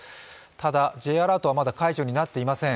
ただ、Ｊアラートはまだ解除になっていません。